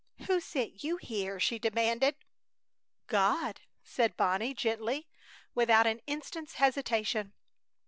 "Who sent you here?" she demanded. "God," said Bonnie, gently, without an instant's hesitation.